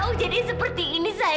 kalau tau jadi seperti ini saya